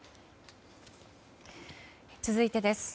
続いてです。